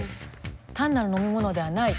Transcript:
単なる飲み物ではない。